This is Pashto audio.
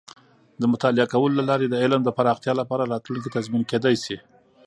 د مطالعه کولو له لارې د علم د پراختیا لپاره راتلونکې تضمین کیدی شي.